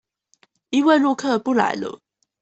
因為陸客不來了